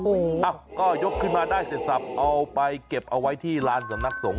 เอ้าก็ยกขึ้นมาได้เสร็จสับเอาไปเก็บเอาไว้ที่ลานสำนักสงฆ